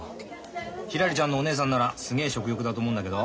ひらりちゃんのお姉さんならすげえ食欲だと思うんだけど。